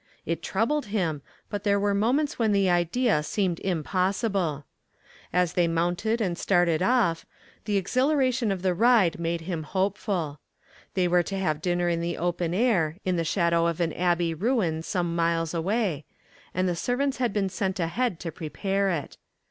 It troubled him, but there were moments when the idea seemed impossible. As they mounted and started off, the exhilaration of the ride made him hopeful. They were to have dinner in the open air in the shadow of an abbey ruin some miles away, and the servants had been sent ahead to prepare it.